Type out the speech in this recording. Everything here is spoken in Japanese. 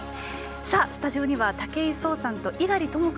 スタジオには武井壮さんと猪狩ともか